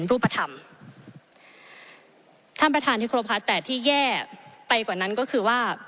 รูปธรรมท่านประธานที่ครบค่ะแต่ที่แย่ไปกว่านั้นก็คือว่า